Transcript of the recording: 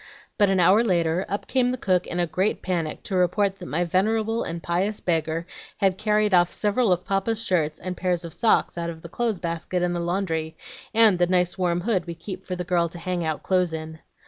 But an hour later, up came the cook in a great panic to report that my venerable and pious beggar had carried off several of Papa's shirts and pairs of socks out of the clothes basket in the laundry, and the nice warm hood we keep for the girl to hang out clothes in.